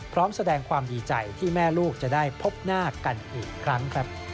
พร้อมแสดงความดีใจที่แม่ลูกจะได้พบหน้ากันอีกครั้งครับ